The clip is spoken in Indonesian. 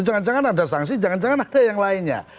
jangan jangan ada sanksi jangan jangan ada yang lainnya